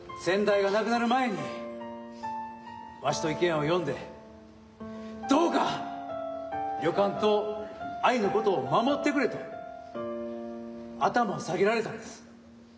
先代が亡くなる前にわしと池やんを呼んで「どうか旅館と藍のことを守ってくれ」と頭を下げられたんです。